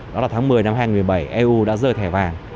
đó là tháng một mươi năm hai nghìn một mươi bảy eu đã rơi thẻ vàng